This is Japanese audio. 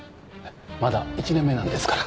まだ１年目なんですから。